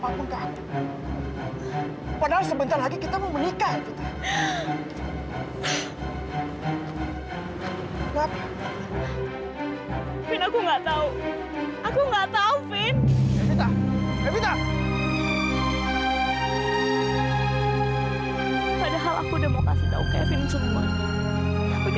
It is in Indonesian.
aku udah dengar cerita tentang kamu dari miko